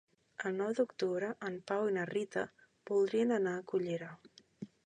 El nou d'octubre en Pau i na Rita voldrien anar a Cullera.